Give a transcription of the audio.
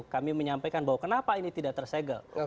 kami menyampaikan bahwa kenapa ini tidak tersegel